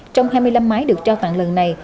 trong hai mươi năm máy được trao tặng lần này